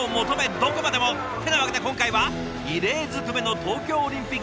どこまでも！ってなわけで今回は異例尽くめの東京オリンピック・パラリンピックへ。